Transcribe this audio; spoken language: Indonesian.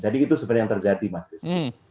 jadi itu sebenarnya yang terjadi mas rizky